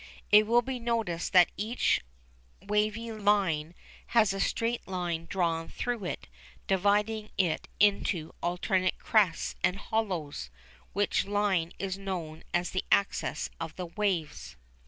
It will be noticed that each wavy line has a straight line drawn through it, dividing it into alternate crests and hollows, which line is known as the axis of the waves.